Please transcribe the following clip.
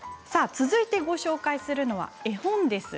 続いてご紹介するのは絵本です。